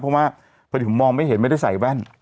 เพราะว่าพอดีผมมองไม่เห็นไม่ได้ใส่แว่น